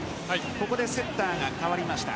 ここでセッターが代わりました。